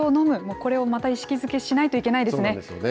これをまた意識づけしないといけそうなんですよね。